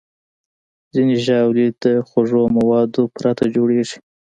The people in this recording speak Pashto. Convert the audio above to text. ځینې ژاولې د خوږو موادو پرته جوړېږي.